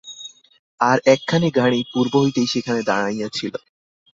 আর একখানি গাড়ি পূর্ব হইতেই সেখানে দাঁড়াইয়া ছিল।